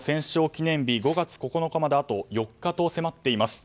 記念日５月９日まであと４日と迫っています。